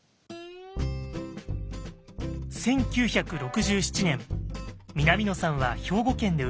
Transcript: １９６７年南野さんは兵庫県で生まれました。